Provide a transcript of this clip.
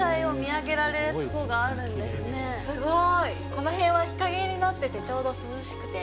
この辺は日陰になってて、ちょうど涼しくて。